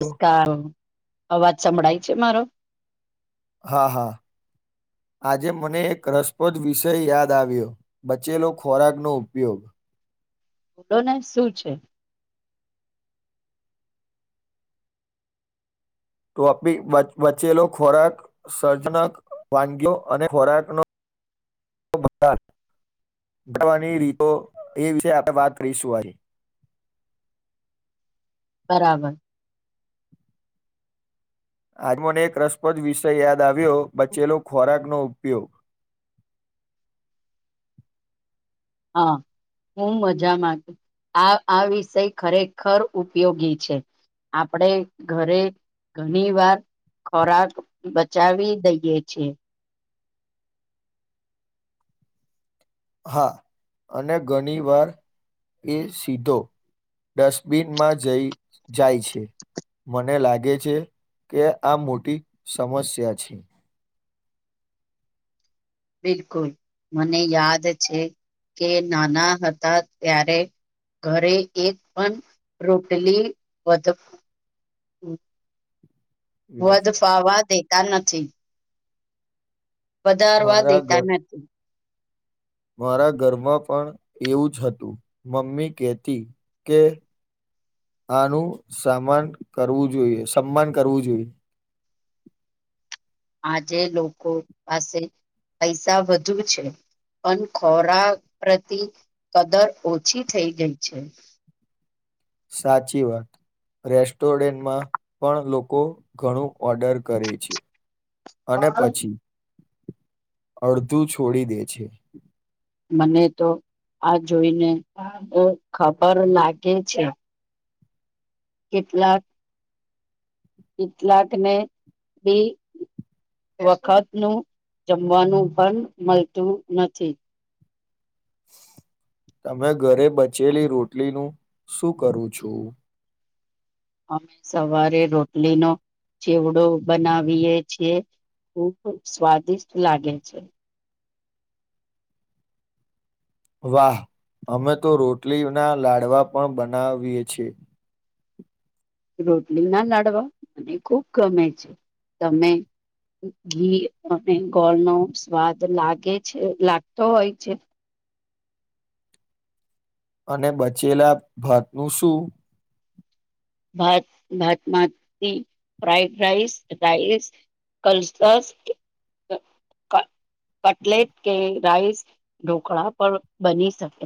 [unintelligible] અવાજ સંભળાય છે, મારો? હા-હા આજે મને એક રસપ્રદ વિષય યાદ આવ્યો બચેલો ખોરાકનો ઉપયોગ ઓડોને શું છે? તોપિક બચેલો ખોરાક સર્જનક વાનગીઓ અને ખોરાકનો [unintelligible] બનવાંની રીતો એ છે આ વાત [unintelligible] બરાબર આજે મને એક રસપ્રદ વિષય યાદ આવ્યો બચેલો ખોરાકનો ઉપયોગ હા, હું મજામાં આ આ વિષય ખરેખર ઉપયોગી છે. આપડે ઘરે ઘણી વાર ખોરાક બચાવી દઈએ છે. હા અને ઘણી વાર એ સીટો. ડસ્ટબિનમાં જઈ જાય છે. મને લાગે છે, કે આ મોટી સમસ્યા છે. બિલકુલ મને યાદ છે, કે નાના હતા ત્યારે ઘરે એક પણ રોટલી વધ વધ ફાવા દેતા નથી. વધારવા મારા ઘર દેતા નથી. મારા ઘરમાં પણ એવું જ હતું મમ્મી કેતી કે આનું સમાન કરવું જોઈએ સનમાન કરવું જોઈએ. આજે લોકો પાસે પૈસા વધુ છે. પણ ખોરાક પ્રતિ કદર ઓછી થઈ ગઈ છે. સાચી વાત. રેસ્ટોરેન્ટમાં પણ લોકો ઘણું ઓર્ડર કરે છે. અને પછી અડધું છોડી દે છે. મને તો આ જોઈને અ ખબર લાગે છે. કેટલાક કેટલાક ને બી. વખત નું જમવાનું પણ મળતું નથી. તમે ઘરે બચેલી રોટલીનું શું કરું છું અમે સવારે રોટલી નો ચેવડો બનાવીએે છીએ. ખૂબ સ્વાદિષ્ટ લાગે છે. વાહ અમે તો રોટલી ના લાડવા પણ બનાવીએ છીએ. રોટલી ના લાડવા મને ખુબ ગમે છે તમે ઘી અને ગોળ નો સ્વાદ લાગે છે લાગતો હોય છે. અને બચેલા ભાત નું શું. ભાત ભાત માતી ફ્રાઇડ રાઈસ રાઈસ. કલટાસ ક ક્ટલેટ કે રાઈસ ઢોકળા પર બની શકે.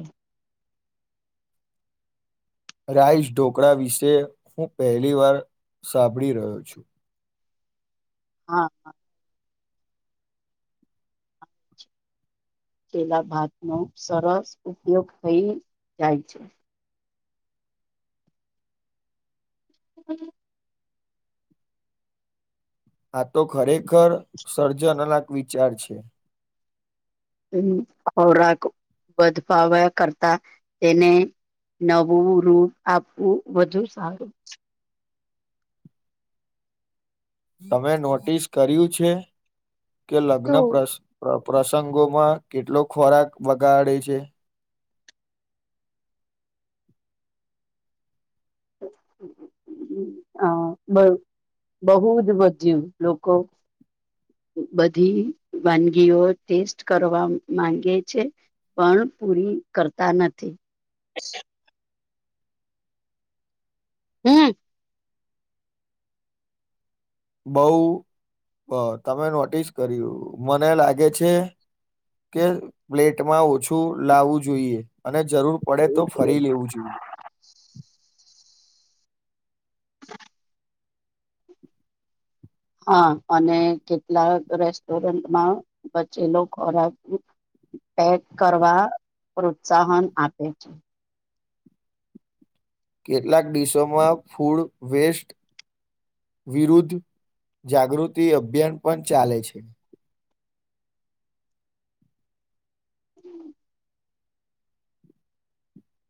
રાઈસ ઢોકળા વિશે હું પહેલી વાર સાંભળી રહ્યો છું. હા. તેના ભાત નો સરસ ઉપયોગ થઈ જાય છે. હ આ તો ખરેખર સર્જન અલક વિચાર છે. ખોરાક વધપાવવા કરતા તેને નવું રૂપ આપવું વધુ સારું. તમે નોટિસ કર્યું છે કે લગ્ન તો પ્રસંગ પ્ર પ્રસંગોમાં કેટલો ખોરાક બગાડે છે. [unintelligible] હ બ બહુ જ વધયુ લોકો બધી વાનગીઓ ટેસ્ટ કરવા માંગે છે. પણ પૂરી કરતા નથી હમ. બઉ બ તમે નોટિસ કર્યું મને લાગે છે. કે પ્લેટમાં ઓછું લાવું જોઈએ અને જરૂર પડે તો ફરી લેવું જોઈએ. હા અને કેટલાક રેસ્ટોરન્ટમાં બચેલો ખોરાક પેક કરવા પ્રોત્સાહન આપે છે. કેટલાક દડીશોમાં ફૂડ વેસ્ટ વિરુદ્ધ જાગૃતિ અભિયાન પણ ચાલે છે. હમ.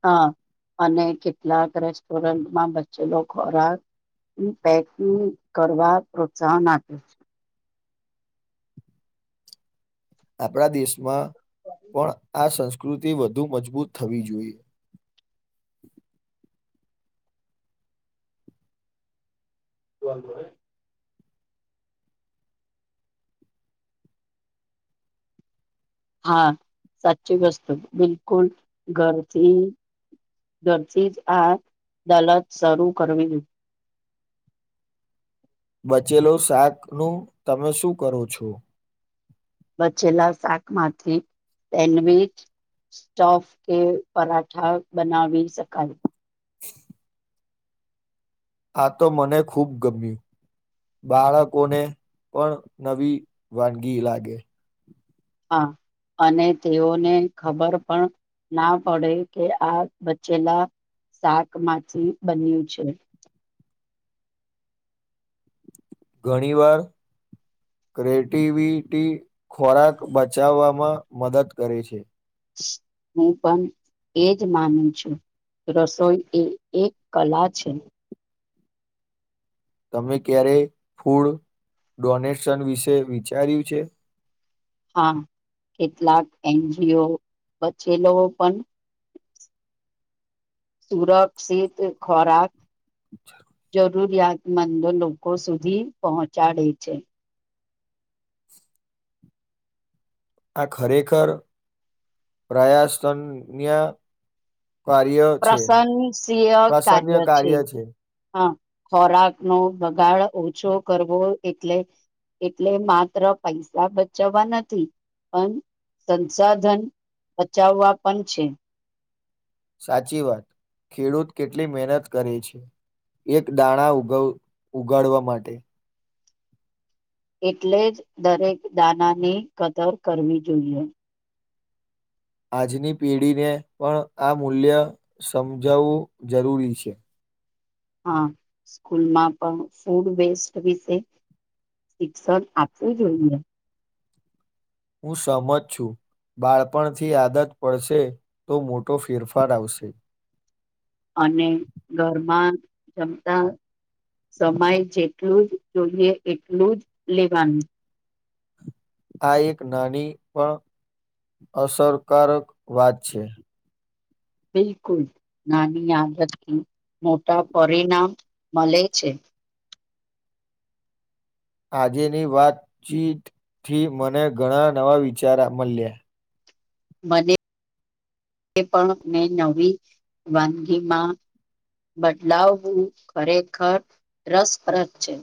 હા અને કેટલાક રેસ્ટોરન્ટમાં બચેલો ખોરાક પેકિંગ કરવા પ્રોત્સાહન આપે. આપણા દેશમાં પણ આ સંસ્કૃતિ વધુ મજબૂત થવી જોઈએ. [unintelligible] હા. સાચી વસ્તુ બિલકુલ ઘરથી ડરથી જ આ અદાલત શરૂ કરવી. બચેલો શાક નું તમે શું કરો છો? બચેલા શાક માંથી સેન્ડવીચ સ્ટફ કે પરાઠા બનાવી શકાય. [inaudible] આ તો મને ખુબ ગમ્યું. બાળકોને પણ નવી વાનગી લાગે. હા. અને તેઓને ખબર પણ ના પડે કે આ બચેલા શાક માંથી બન્યું છે. ઘણી વાર ક્રેટિવિટી ખોરાક બચાવવામાં મદદ કરે છે. હું પણ એજ માનું છું. રસોઈ એ એક કલા છે. તમે ક્યારે ફૂડ ડોનેશન વિશે વિચાર્યું છે? હા, કેટલાક એન જી ઓ બચેલો પણ સુરક્ષિત ખોરાક જ રૂરિયાતમંદો લોકો સુધી પહોંચાડે છે. આ ખરેખર પ્રયાસ્તન્યા કાર્ય પ્રશંસનીય કાર્ય છે. હા, ખોરાક નો બગાડ ઓછો કરવો એટલે એટલે માત્ર પૈસા બચાવવા નથી, પણ સંસાધન બચાવવા પણ છે. સાચી વાત. ખેડૂત કેટલી મહેનત કરે છે. એક દાણા ઉગવ ઉગાડવા માટે. એટલે જ દરેક દાના ની કદર કરવી જોઈએ. આજની પેઢીને પણ આ મૂલ્ય સમજાવવું જરૂરી છે. હા, સ્કૂલમાં પણ ફૂડ વેસ્ટ વિશે શિક્ષણ આપવું જોઈએ. હું સહમત છું. બાળપણ થી આદત પડશે, તો મોટો ફેરફાર આવશે. અને ઘરમાં જમતા સમય જેટલું જ જોઈએ એટલું જ લેવાનું. આ એક નાની પણ અસરકારક વાત છે. બિલકુલ. નાની આદતથી મોટા પરિણામ મલે છે. આજેની વાતચીતથી મને ઘણા નવા વિચારા મલ્યા. મને પણ મે નવી વાનગીમાં બદલાવવું ખરેખર રસપ્રદ છે.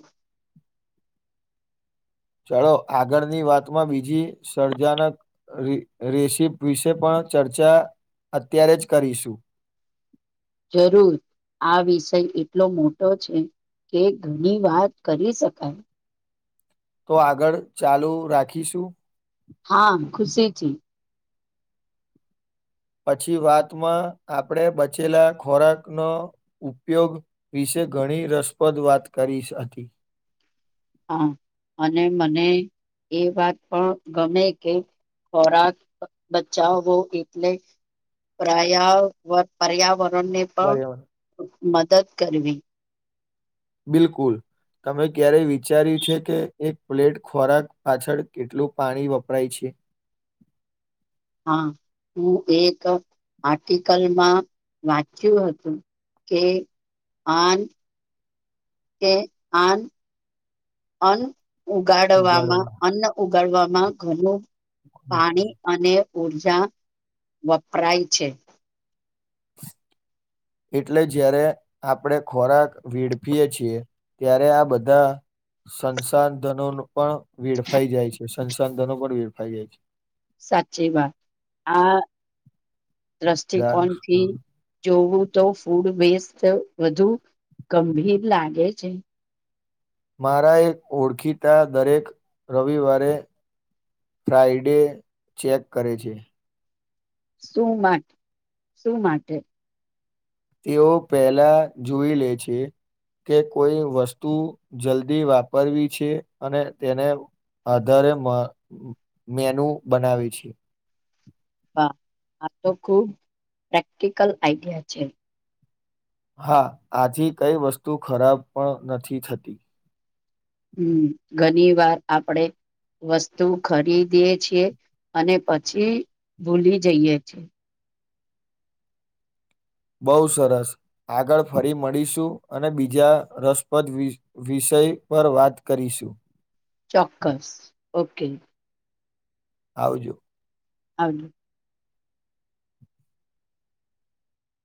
ચલો, આગળની વાતમાં બીજી સર્જાનક રિ રેેશિપ વિશે પણ ચર્ચા અત્યારે જ કરીશું. જરૂર. આ વિષય એટલો મોટો છે કે ઘની વાત કરી શકાય. તો આગળ ચાલુ રાખીશું. હા, ખુશીથી. પછી વાતમાં, આપણેે બચેલા ખોરાકનો ઉપયોગ વિશે ઘણી રસપ્રદ વાત કરી શકી. હા, અને મને એ વાત પણ ગમે કે ખોરાક બચાવવો એટલે પર્યાવરણને પણ, બરાબર મદદ કરવી. બિલકુલ. તમે ક્યારેય વિચાર્યું છે કે એક પ્લેટ ખોરાક પાછળ કેટલું પાણી વપરાય છે? હા, હું એક આર્ટિકલમાં વાંચ્યું હતું. કે આન કે આન, અન ઉગાડવામાં ઉગાડવાનું અન્ન ઉગાડવામાં, ઘણુ પાણી અને ઉર્જા વપરાય છે. એટલે જયારે આપણેે ખોરાક વેડફીએ છીએ. ત્યારે આ બધા સંસાધનો પણ વેડફાઈ જાય છે, સંસાધનો પણ વેડફાઈ જાય છે. સાચી વાત, આ દાર દ્રષ્ટિકોણથી જોવું તો ફૂડ બેસ્ટ વધુ ગંભીર લાગે છે. મારા એક ઓળખીતા દરેક રવિવારે ફ્રાઇડે ચેક કરે છે. શું માટે શું માટે? તેઓ પેલા જોઈ લે છે. કે કોઈ વસ્તુ જલ્દી વાપરવી છે, અને તેને આધારે મેનુ બનાવી છે. આ તો ખુબ પ્રેક્ટિકલ આઈડિયા છે. હા આજ કઈ વસ્તુ ખરાબ પણ નથી થતી. હમ ઘણી વાર આપડે વસ્તુ ખરીદી છીએ, અને પછી ભૂલી જઈએ છીએ. બઉુ સરસ, આગળ ફરી મળીશું અને બીજા રસપ્રદ વિષય પર વાત કરીશું. ચોક્કસ ઓકે. આવજો. હજ [unintelligible]